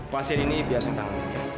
pasien ini biasa tangan